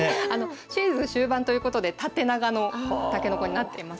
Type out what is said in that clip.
シーズン終盤ということで縦長のたけのこになっています。